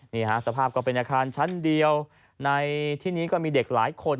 สภาพก็เป็นอาคารชั้นเดียวในที่นี้ก็มีเด็กหลายคน